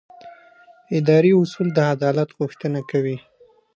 اداري اصول د عدالت غوښتنه کوي.